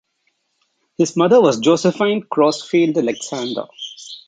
His mother was Josephine Crosfield Alexander.